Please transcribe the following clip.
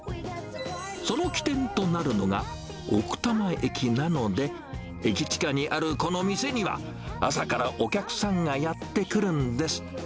その起点となるのが、奥多摩駅なので、駅近にあるこの店には、朝からお客さんがやって来るんです。